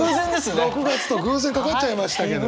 ６月と偶然掛かっちゃいましたけれど。